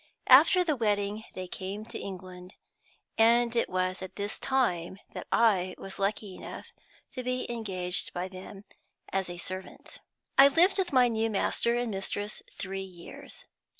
After the wedding they came to England, and it was at this time that I was lucky enough to be engaged by them as a servant. I lived with my new master and mistress three years.